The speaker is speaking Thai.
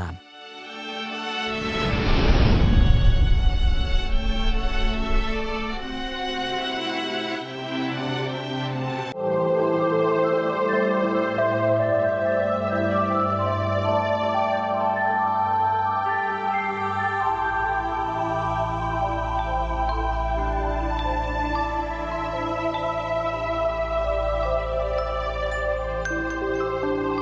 อาทรต่อกันคิดด้วยกันเอื้ออาทรต่อกัน